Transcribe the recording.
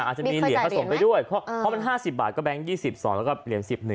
อาจจะมีเหรียญผสมไปด้วยเพราะมัน๕๐บาทก็แก๊ง๒๒แล้วก็เหรียญ๑๑